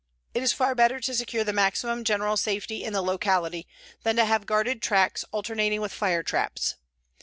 It is far better to secure the maximum general safety in the locality than to have guarded tracts alternating with fire traps.